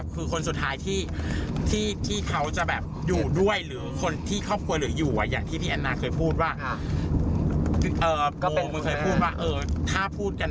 คือคนสุดท้ายที่เขาจะอยู่ด้วยหรือคนที่ครอบครัวเหลืออยู่